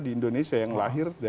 di indonesia yang lahir